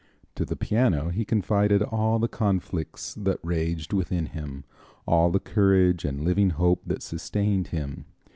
To the piano he confided all the conflicts that raged within him, all the courage and living hope that sustained him.